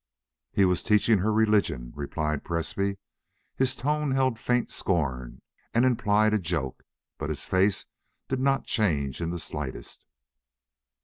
"He was teaching her religion," replied Presbrey. His tone held faint scorn and implied a joke, but his face did not change in the slightest.